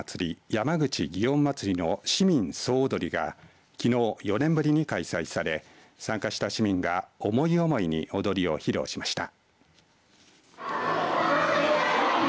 山口祇園祭の市民総踊りがきのう４年ぶりに開催され参加した市民が思い思いに踊りを披露しました。